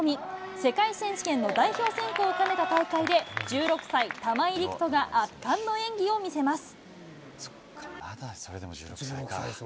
世界選手権の代表選考を兼ねた大会で、１６歳、玉井陸斗が圧巻の演技を見せます。